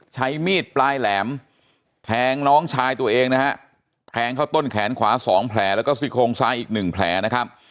ใช้มีดปลายแหลมแทงน้องชายตัวเองนะฮะแทงเข้าต้นแขนขวา๒แผลแล้วก็ซี่โครงซ้ายอีกหนึ่งแผลนะครับ